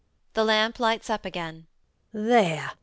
[The lamp lights up again]. There!